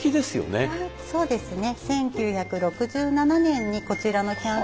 そうですね。